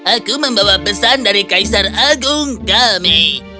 aku membawa pesan dari kaisar agung kami